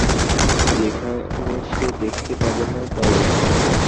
যেখানে সে দেখতে পাবে না তার ওষুধ।